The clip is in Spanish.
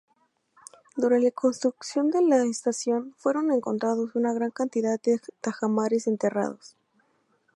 Durante la construcción de la estación, fueron encontrados una gran cantidad de tajamares enterrados.